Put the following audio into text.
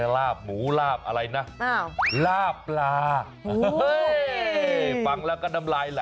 ลาบปลา